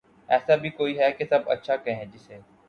ایسا بھی کوئی ھے کہ سب اچھا کہیں جسے